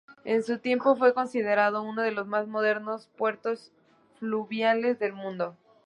En su tiempo fue considerado uno de los más modernos puertos fluviales del mundo.